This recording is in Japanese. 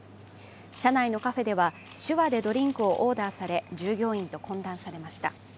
社内のカフェでは手話でドリンクをオーダーされ、従業員と懇談されました。